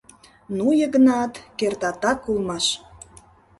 — Ну, Йыгнат, кертатак улмаш.